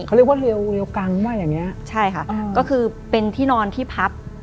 เขาเรียกว่าเร็วเรียวกังว่าอย่างเงี้ใช่ค่ะก็คือเป็นที่นอนที่พัก